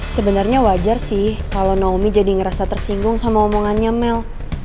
sebenarnya wajar sih kalau naomi jadi ngerasa tersinggung sama omongannya mel